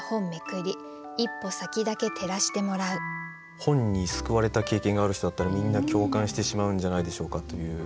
本に救われた経験がある人だったらみんな共感してしまうんじゃないでしょうかという。